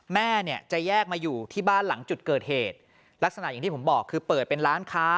แม่เนี่ยจะแยกมาอยู่ที่บ้านหลังจุดเกิดเหตุลักษณะอย่างที่ผมบอกคือเปิดเป็นร้านค้า